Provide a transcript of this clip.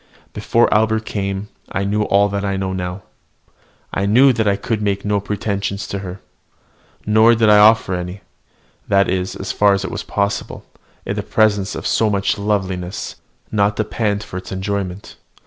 Before Albert came, I knew all that I know now. I knew I could make no pretensions to her, nor did I offer any, that is, as far as it was possible, in the presence of so much loveliness, not to pant for its enjoyment.